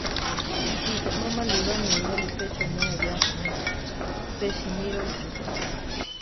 Kite má marí bamíbali pe cha ne aʼyása mí; pe simíroli chopí.